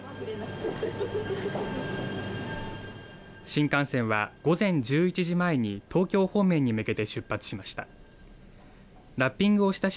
新幹線は、午前１１時前に東京方面に向けて出発しました。